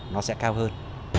nó sẽ cao hơn